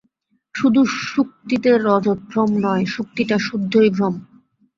শুধু শুক্তিতে রজতভ্রম নয়, শুক্তিটা-সুদ্ধই ভ্রম?